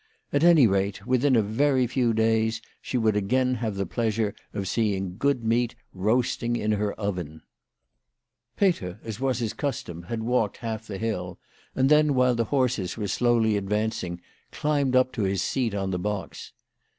At any rate, within a very few days, she would again have the pleasure of seeing good meat roasting in her oven. WHY FRAU FROHMANN RAISED HER PRICES. 79 Peter, as was his custom, had walked half the hill, and then, while the horses were slowly advancing, climbed up to his seat on the box.